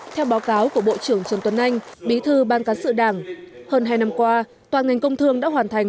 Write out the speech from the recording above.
theo báo cáo của bộ trưởng trần tuấn anh bí thư ban cán sự đảng hơn hai năm qua toàn ngành công thương đã hoàn thành